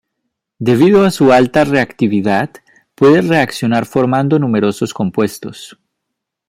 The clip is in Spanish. Debido a su alta reactividad puede reaccionar formando numerosos compuestos.